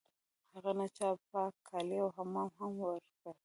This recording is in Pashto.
هغه ته چا پاک کالي او حمام هم ورکړی و